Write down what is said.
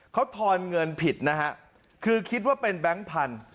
เขาทอนเงินผิดนะฮะคือคิดว่าเป็นแบงค์พันธุ